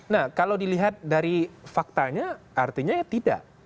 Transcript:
nah kalau dilihat dari faktanya artinya ya tidak